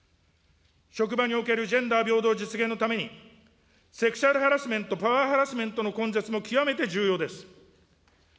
職場におけるジェンダー平等実現のために、セクシャルハラスメント、パワーハラスメントの根絶も極めて重要です。